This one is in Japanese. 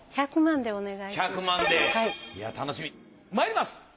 １００万でお願いします。